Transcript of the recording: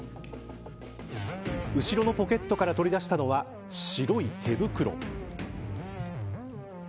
後ろのポケットから取り出したのは白い手袋。